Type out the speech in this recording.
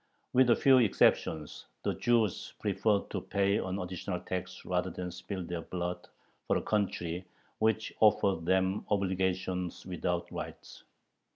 With few exceptions, the Jews preferred to pay an additional tax rather than spill their blood for a country which offered them obligations without rights.